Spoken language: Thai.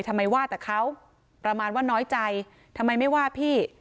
ทำไมว่าแต่เขาประมาณว่าน้อยใจทำไมไม่ว่าพี่